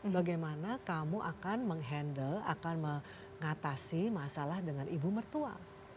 bagaimana kamu akan mengatasi masalah dengan ibu mertua